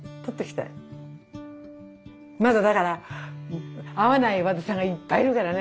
まだだから会わない和田さんがいっぱいいるからね